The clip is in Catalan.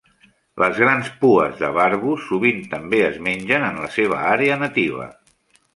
Les grans pues de "Barbus" sovint també es mengen en la seva àrea nativa.